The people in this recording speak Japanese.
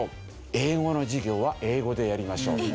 英語の授業は英語でやりましょう。